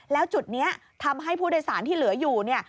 แล้วจุดนี้ทำให้ผู้โดยสารที่เหลืออยู่เนี่ย